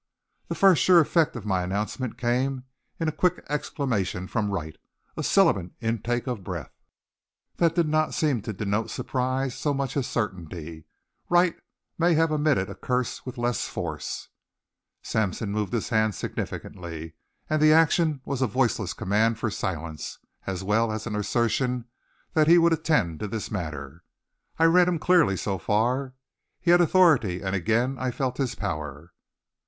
The first sure effect of my announcement came in a quick exclamation from Wright, a sibilant intake of breath, that did not seem to denote surprise so much as certainty. Wright might have emitted a curse with less force. Sampson moved his hand significantly and the action was a voiceless command for silence as well as an assertion that he would attend to this matter. I read him clearly so far. He had authority, and again I felt his power.